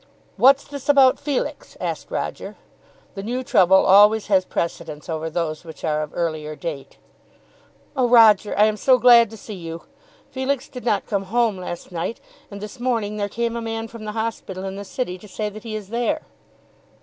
"What's this about Felix?" asked Roger. The new trouble always has precedence over those which are of earlier date. "Oh Roger, I am so glad to see you. Felix did not come home last night, and this morning there came a man from the hospital in the city to say that he is there."